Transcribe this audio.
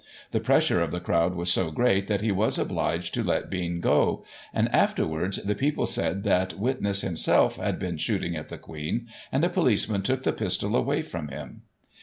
The pressure of the crowd was so great, that he was obliged to let Bean go ; and, afterwards, the people said that witness himself had been shooting at the Queen, and a policeman took the pistol away from him.